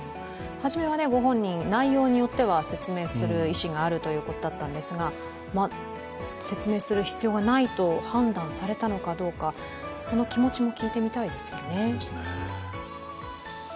はじめはご本人、内容によっては説明する意思があるということだったんですが説明する必要がないと判断されたのかどうか、その気持ちも聞いてみたいですね。